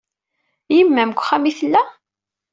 Yemma-m deg uxxam ay tella?